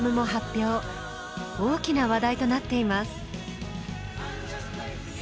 大きな話題となっています。